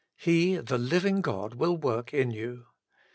He, the living God, will work in you.